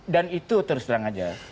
dan itu terserang aja